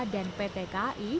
dan pt ki